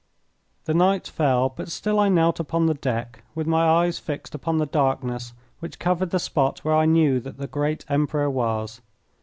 The night fell, but still I knelt upon the deck, with my eyes fixed upon the darkness which covered the spot where I knew that the great Emperor was.